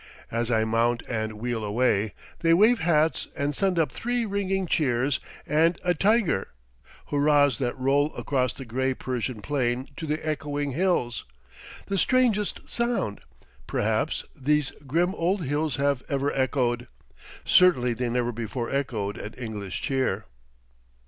As I mount and wheel away, they wave hats and send up three ringing cheers and a "tiger," hurrahs that roll across the gray Persian plain to the echoing hills, the strangest sound, perhaps, these grim old hills have ever echoed; certainly, they never before echoed an English cheer.